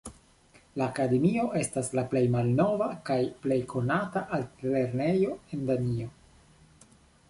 La akademio estas la plej malnova kaj plej konata altlernejo en Danio.